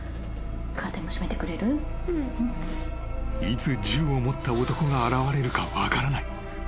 ［いつ銃を持った男が現れるか分からない］